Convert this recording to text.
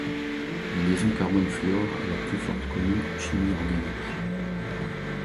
La liaison carbone-fluor est la plus forte connue en chimie organique.